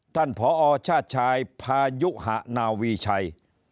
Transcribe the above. ท่านพชพายุหะนาวีชัย